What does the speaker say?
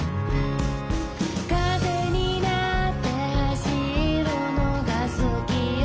「風になって走るのが好きよ」